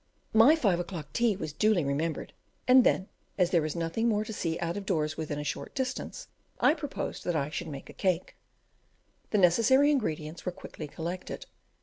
My five o'clock tea was duly remembered, and then, as there was nothing more to see out of doors within a short distance, I proposed that I should make a cake. The necessary ingredients were quickly collected.